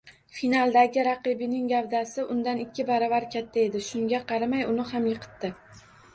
Finaldagi raqibining gavdasi undan ikki baravar katta edi, shunga qaramay, uni ham yiqitdi